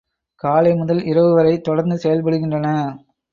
காலை முதல் இரவு வரை தொடர்ந்து செயல்படுகின்றன.